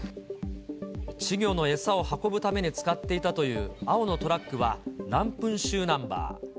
稚魚の餌を運ぶために使っていたという青のトラックは、ランプン州ナンバー。